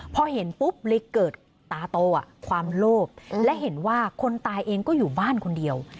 พอเห็นปุ๊บเลยเกิดตาโตความโลภและเห็นว่าคนตายเองก็อยู่บ้านคนเดียว